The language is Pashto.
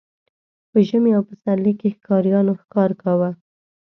په ژمي او پسرلي کې ښکاریانو ښکار کاوه.